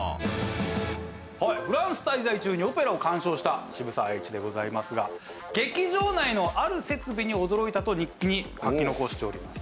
フランス滞在中にオペラを鑑賞した渋沢栄一でございますが劇場内のある設備に驚いたと日記に書き残しております。